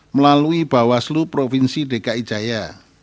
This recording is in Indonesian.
melalui bawaslu provinsi dki jaya